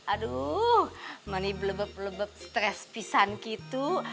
aduh mani blebeb blebeb stres pisang gitu